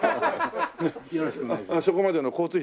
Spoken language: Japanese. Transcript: よろしくお願いします。